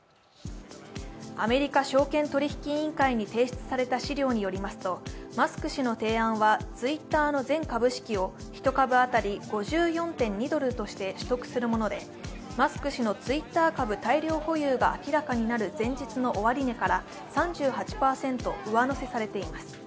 アメリカ証券取引委員会に提出された資料によりますとマスク氏の提案はツイッターの全株式を、１株当たり５４．２ドルとして取得するもので、マスク氏のツイッター株大量保有が明らかになる前日の終値から３８％上乗せされています。